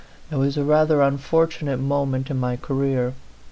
It was a rather unfortunate moment in rny career.